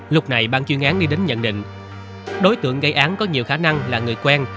lúc này ban chuyên án đi đến nhận định đối tượng gây án có nhiều khả năng là người quen